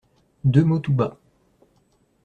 Deux mots tout bas.